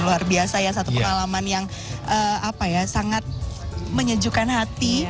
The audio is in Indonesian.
luar biasa ya satu pengalaman yang sangat menyejukkan hati